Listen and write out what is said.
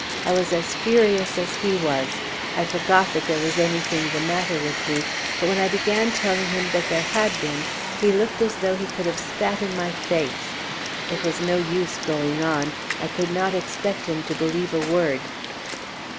I was as furious as he was. I forgot that there was anything the matter with me, but when I began telling him that there had been, he looked as though he could have spat in my face. It was no use going on. I could not expect him to believe a word.